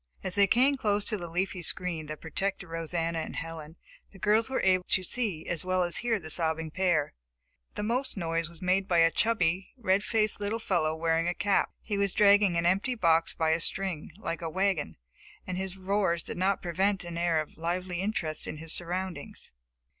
As they came close to the leafy screen that protected Rosanna and Helen, the girls were able to see as well as hear the sobbing pair. The most noise was made by a chubby, red faced little fellow wearing a cap. He was dragging an empty box by a string, like a little wagon, and his roars did not prevent an air of lively interest in his surroundings.